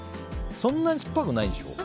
そんなに酸っぱくないんでしょ？